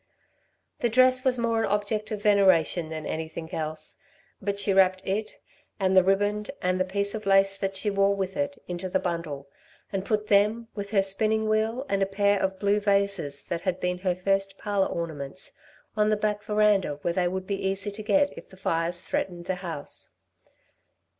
The dress was more an object of veneration than anything else; but she wrapped it, and the ribband and the piece of lace that she wore with it, into the bundle, and put them, with her spinning wheel and a pair of blue vases that had been her first parlour ornaments, on the back verandah where they would be easy to get if the fires threatened the house.